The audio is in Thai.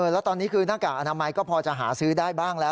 แล้วตอนนี้คือหน้ากากอนามัยก็พอจะหาซื้อได้บ้างแล้ว